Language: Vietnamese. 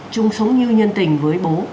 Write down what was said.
trung sống như nhân tình với bố